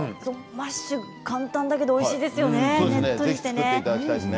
マッシュ、簡単だけどおいしいですね、ねっとりして。